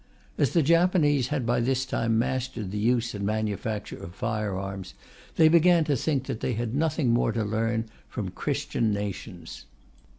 As the Japanese had by this time mastered the use and manufacture of fire arms, they began to think that they had nothing more to learn from Christian nations.